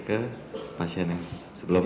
ke pasien yang sebelumnya